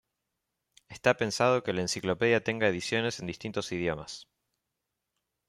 Está pensado que la enciclopedia tenga ediciones en distintos idiomas.